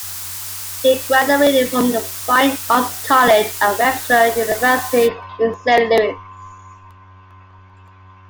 He graduated from the Fine Arts college at Webster University in Saint Louis.